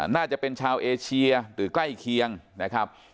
น่าจะเป็นชาวเอเชียหรือใกล้เคียงนะครับ